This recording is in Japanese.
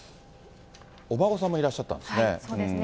お孫さんもいらっしゃったんですね。